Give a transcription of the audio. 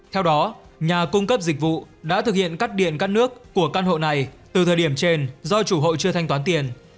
theo đó nhà cung cấp dịch vụ đã thực hiện cắt điện cắt nước của căn hộ này từ thời điểm trên do chủ hộ chưa thanh toán tiền